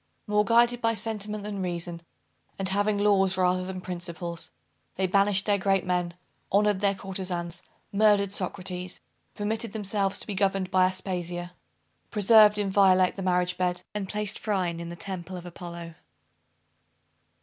More guided by sentiment than reason, and having laws rather than principles, they banished their great men, honored their courtezans, murdered Socrates, permitted themselves to be governed by Aspasia, preserved inviolate the marriage bed, and placed Phryne in the temple of Apollo!